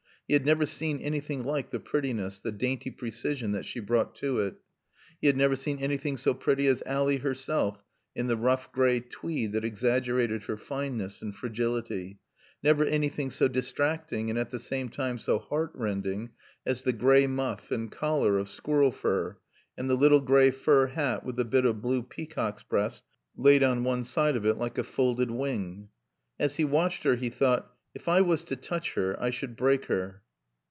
He had never seen anything like the prettiness, the dainty precision that she brought to it. He had never seen anything so pretty as Ally herself, in the rough gray tweed that exaggerated her fineness and fragility; never anything so distracting and at the same time so heartrending as the gray muff and collar of squirrel fur, and the little gray fur hat with the bit of blue peacock's breast laid on one side of it like a folded wing. As he watched her he thought, "If I was to touch her I should break her."